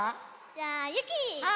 じゃあゆき！